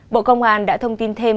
bộ công an đã thông tin thêm